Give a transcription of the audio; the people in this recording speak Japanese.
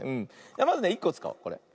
まずね１こつかおうこれ。